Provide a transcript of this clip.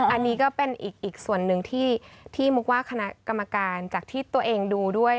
อันนี้ก็เป็นอีกส่วนหนึ่งที่มุกว่าคณะกรรมการจากที่ตัวเองดูด้วย